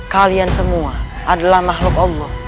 kalian semua adalah makhluk allah